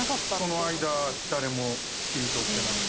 その間誰も切り取ってなくて。